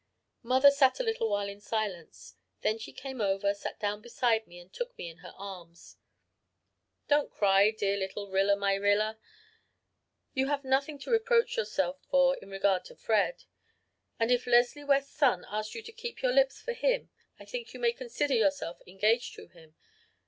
"Mother sat a little while in silence. Then she came over, sat down beside me, and took me in her arms. "'Don't cry, dear little Rilla my Rilla. You have nothing to reproach yourself with in regard to Fred; and if Leslie West's son asked you to keep your lips for him, I think you may consider yourself engaged to him.